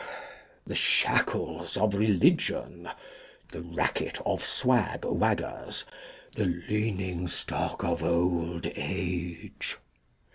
The Shackles of Religion. The Racket of Swag waggers. The Leaning stock of old Age.